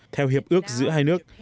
theo hiệp ước giữa hai nước